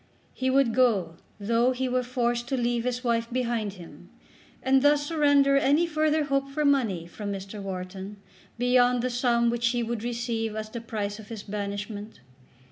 He would go though he were forced to leave his wife behind him, and thus surrender any further hope for money from Mr. Wharton beyond the sum which he would receive as the price of his banishment.